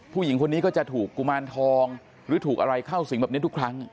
ผู้หญิงคนนี้ก็จะถูกกุมารทองหรือถูกอะไรเข้าสิงแบบนี้ทุกครั้ง